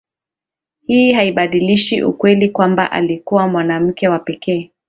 hii haibadilishi ukweli kwamba alikuwa mwanamke wa pekee